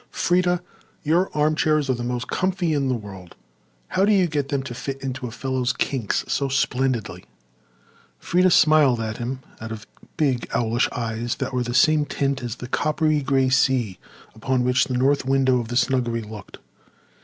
"Freda, your armchairs are the most comfy in the world. How do you get them to fit into a fellow's kinks so splendidly?" Freda smiled at him out of big, owlish eyes that were the same tint as the coppery grey sea upon which the north window of the snuggery looked.